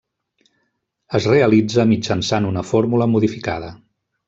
Es realitza mitjançant una fórmula modificada.